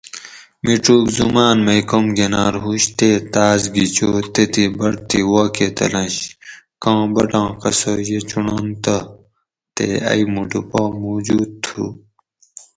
میڄوگ زُماۤن مئ کوم گنار ہُوش تے تاۤس گیچو تتھیں بٹ تھی واکہ تلنش کاں بٹہ قصہ یہ چُنڑنت تہ تے ائ مُٹو پا موجود تھُو